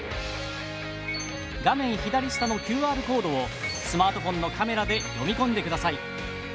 画面左下のＱＲコードをスマートフォンのカメラで読み込んでください。